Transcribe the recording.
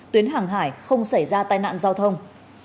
tuyến hàng hải không xảy ra tai nạn giao thông